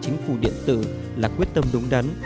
chính phủ điện tử là quyết tâm đúng đắn